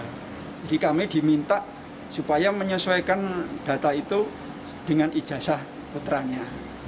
jadi kami diminta supaya menyesuaikan data itu dengan ijasa putranya